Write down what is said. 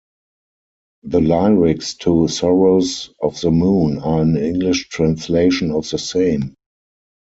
The lyrics to "Sorrows of the Moon" are an English translation of the same.